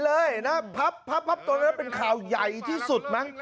หนั้งเป็นข่าวยัยที่สุด